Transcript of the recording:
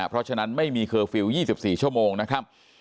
เพราะฉะนั้นไม่มีเคอร์ฟิลล์๒๔ชั่วโมงนะครับ